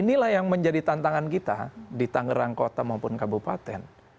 di daerah urban kita di tangerang kota maupun kabupaten